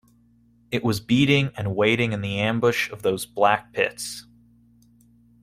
It was beating and waiting in the ambush of those black pits.